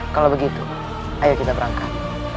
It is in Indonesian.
kalau begitu ayo kita berangkat